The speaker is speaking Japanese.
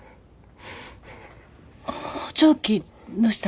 補聴器どうした？